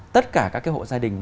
tất cả các cái hộ gia đình